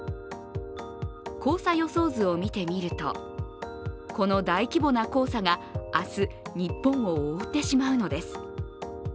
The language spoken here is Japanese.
黄砂予想図を見てみるとこの大規模な黄砂が、明日、日本を覆ってしまうのです。